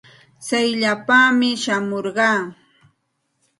Tsayllapaami shamurqaa.